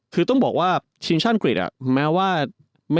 คือต้องบอกว่าอ่าแม้ว่า